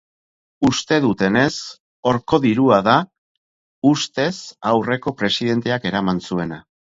Uste dutenez, horko dirua da ustez aurreko presidenteak eraman zuena.